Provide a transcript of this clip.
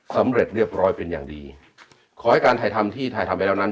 สำเร็จเรียบร้อยเป็นอย่างดีขอให้การถ่ายทำที่ถ่ายทำไปแล้วนั้น